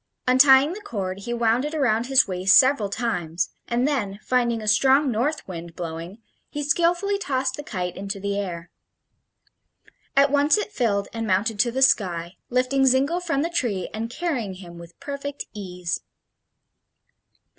Untying the cord, he wound it around his waist several times, and then, finding a strong north wind blowing, he skilfully tossed the kite into the air. At once it filled and mounted to the sky, lifting Zingle from the tree and carrying him with perfect ease.